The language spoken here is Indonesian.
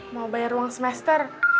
mau bayar uang semester